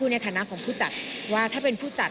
ในฐานะของผู้จัดว่าถ้าเป็นผู้จัด